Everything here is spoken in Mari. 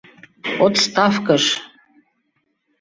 Отставкыш!..